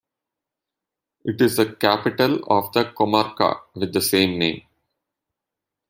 It is the capital of the comarca with the same name.